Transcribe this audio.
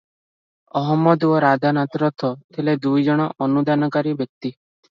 ଅହମଦ ଓ ରାଧାନାଥ ରଥ ଥିଲେ ଦୁଇଜଣ ଅନୁଦାନକାରୀ ବ୍ୟକ୍ତି ।